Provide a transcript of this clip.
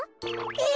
え！